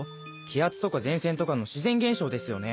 気圧とか前線とかの自然現象ですよね？